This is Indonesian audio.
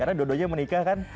karena dua duanya menikah kan